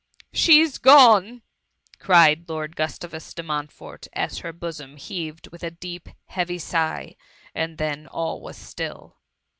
" She 's gone !^ cried Lord Gustavus de Montfort, as her bosom heaved with a deep, heavy sigh, and then all was still.